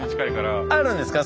あるんですか？